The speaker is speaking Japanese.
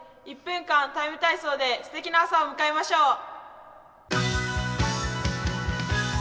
１分間「ＴＩＭＥ，体操」ですてきな朝を迎えましょう。